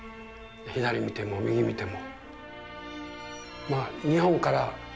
左見ても右見ても。